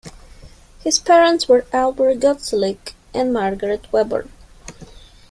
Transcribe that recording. His parents were Albert Gottselig and Margarethe Weber.